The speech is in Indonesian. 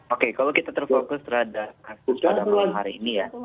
oke kalau kita terfokus terhadap kasus pada malam hari ini ya